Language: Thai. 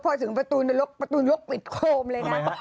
พอถึงประตูนรกประตูยกปิดโคมเลยนะ